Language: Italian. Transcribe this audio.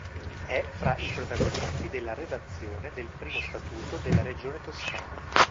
È fra i protagonisti della redazione del primo statuto della Regione Toscana.